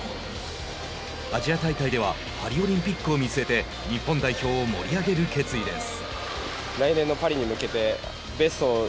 アジア大会ではパリオリンピックを見据えて日本代表を盛り上げる決意です。